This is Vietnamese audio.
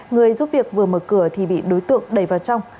người giúp việc vừa mở cửa thì bị đối tượng đẩy vào trong